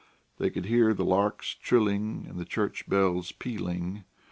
They could hear the larks trilling and the church bells pealing.